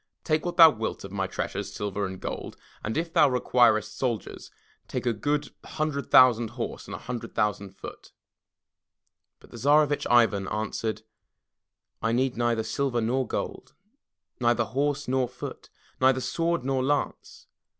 Take what thou wilt of my treasures, silver and gold, and if thou requirest soldiers, take a himdred thousand horse and a hundred thousand foot.*' But the Tsarevitch Ivan answered: "I need neither silver nor gold, neither horse nor foot, neither sword nor lance.